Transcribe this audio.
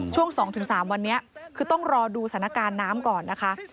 ช่วง๒๓วันนี้คือต้องรอดูสถานการณ์น้ำก่อนนะคะ